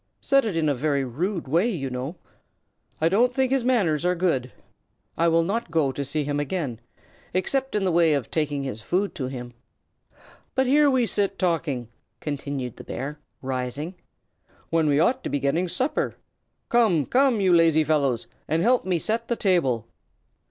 Said it in a very rude way, you know. I don't think his manners are good. I shall not go to see him again, except in the way of taking his food to him. But here we sit, talking," continued the bear, rising, "when we ought to be getting supper. Come! come! you lazy fellows, and help me set the table."